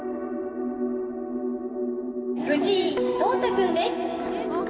藤井聡太君です。